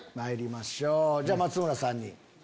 じゃあ松村さんに。